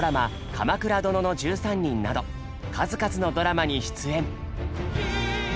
「鎌倉殿の１３人」など数々のドラマに出演。